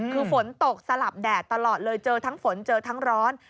คือฝนตกสลับแดดตลอดเลยเจอทั้งฝนเจอทั้งร้อน